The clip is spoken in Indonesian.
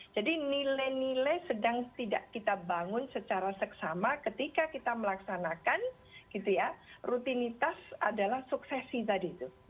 jadi nilai nilai sedang tidak kita bangun secara seksama ketika kita melaksanakan rutinitas adalah suksesi tadi itu